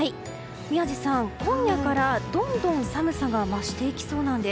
宮司さん、今夜からどんどん寒さが増していきそうなんです。